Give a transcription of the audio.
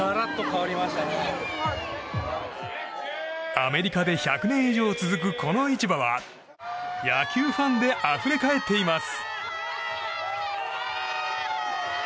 アメリカで１００年以上続くこの市場は野球ファンであふれ返っています。